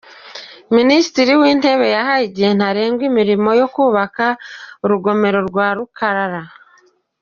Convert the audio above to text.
Minisitiri w’Intebe yahaye igihe ntarengwa imirimo yo kubaka urugomero rwa Rukarara